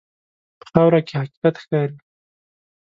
په خاوره کې حقیقت ښکاري.